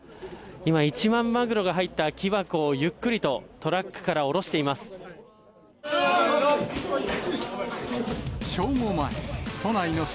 今、一番マグロが入った木箱を、ゆっくりとトラックから降ろしています。